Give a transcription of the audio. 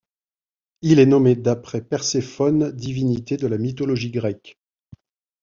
Il est nommé d'après Perséphone, divinité de la mythologie grecque.